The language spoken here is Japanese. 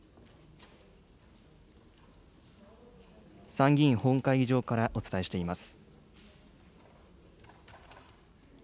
参議院本会議場からお伝えしています。